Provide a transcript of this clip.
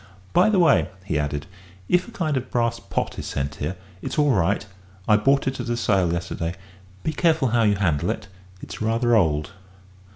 "By the way," he added, "if a kind of brass pot is sent here, it's all right. I bought it at a sale yesterday. Be careful how you handle it it's rather old."